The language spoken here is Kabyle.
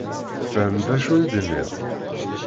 Tefhem d acu i d-nniɣ?